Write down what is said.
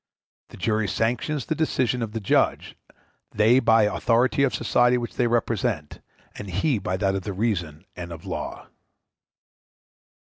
The jury sanctions the decision of the judge, they by the authority of society which they represent, and he by that of reason and of law.